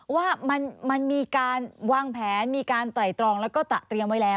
ว่ามันมีการวางแผนมีการไตรตรองแล้วก็เตรียมไว้แล้ว